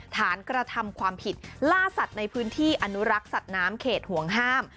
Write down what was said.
ฐานกระทำความผิดล่าสัตว์ในพื้นที่อนุรักษ์สัตว์น้ำเขตห่วงห้าม